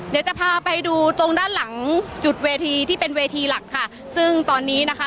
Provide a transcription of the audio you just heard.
เดี๋ยวจะพาไปดูตรงด้านหลังจุดเวทีที่เป็นเวทีหลักค่ะซึ่งตอนนี้นะคะ